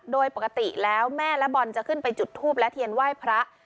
โดยปกติแล้วแม่และบอลจะขึ้นไปจุดทูปและเทียนไหว้พระ